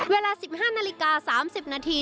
เวลา๑๕นาฬิกา๓๐นาที